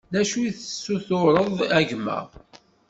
D acu i tessutureḍ a gma?